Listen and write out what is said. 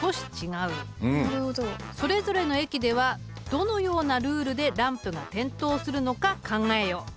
それぞれの駅ではどのようなルールでランプが点灯するのか考えよ。